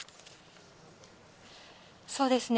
そうですね。